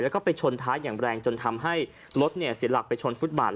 แล้วก็ไปชนท้ายอย่างแรงจนทำให้รถเสียหลักไปชนฟุตบาท